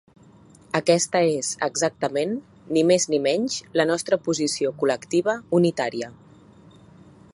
Aquesta és exactament, ni més ni menys, la nostra posició col·lectiva unitària.